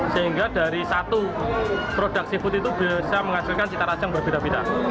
sehingga dari satu produk seafood itu bisa menghasilkan cita rasa yang berbeda beda